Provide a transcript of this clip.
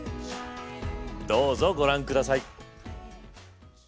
どうぞご覧下さい！